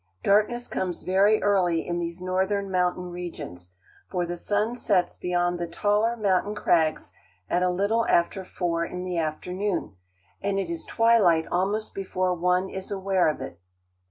Darkness comes very early in these northern mountain regions, for the sun sets beyond the taller mountain crags at a little after four in the afternoon and it is twilight almost before one is aware of it.